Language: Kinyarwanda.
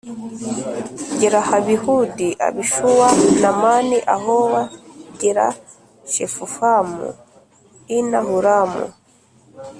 Gera h Abihudi Abishuwa Namani Ahowa Gera Shefufamu i na Huramu